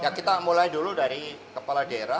ya kita mulai dulu dari kepala daerah